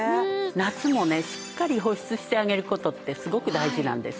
夏もねしっかり保湿してあげる事ってすごく大事なんです。